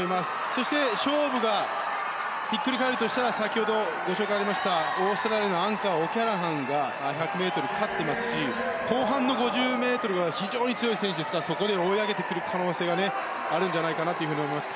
そして勝負がひっくり返るとしたら先ほどご紹介がありましたオーストラリアのアンカーオキャラハンが１００ｍ勝ってますし後半の５０ｍは非常に強い選手ですからそこで追い上げてくる可能性はあるんじゃないかと思います。